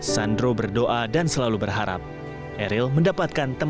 dan dengan berbagai perkembangan baik tentang kita